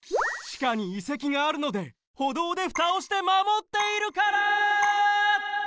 地下に遺跡があるので歩道でふたをしてまもっているから！